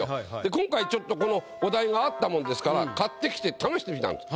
今回ちょっとこのお題があったもんですから買ってきて試してみたんです。